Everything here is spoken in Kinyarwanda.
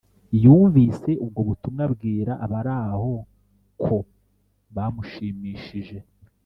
yumvise ubwo butumwa abwira abaraho ko bumushimishije